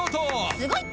すごい！